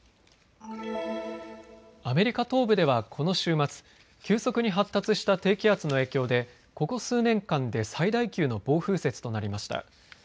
アメリカ東部ではこの週末、急速に発達した低気圧の影響でここ数年間で最大級の暴風雪となりました。